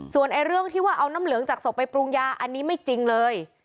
ส่วนเรื่องที่ว่าเอาน้ำเหลืองจากศพไปปรุงยาอันนี้ไม่จริงเลย